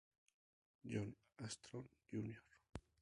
John Armstrong Jr.